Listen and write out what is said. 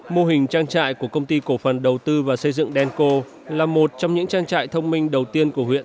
mô hình trang trại của công ty cổ phần đầu tư và xây dựng denco là một trong những trang trại thông minh đầu tiên của huyện